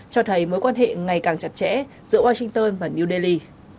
cho thấy mối quan hệ ngày càng chặt chẽ giữa washington và new delhi